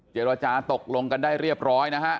เจรจาตกลงกันได้เรียบร้อยนะฮะ